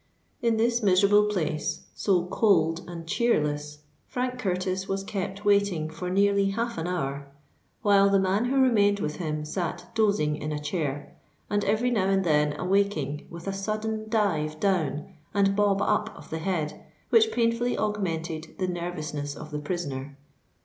In this miserable place—so cold and cheerless—Frank Curtis was kept waiting for nearly half an hour; while the man who remained with him sate dozing in a chair, and every now and then awaking with a sudden dive down and bob up of the head which painfully augmented the nervousness of the prisoner.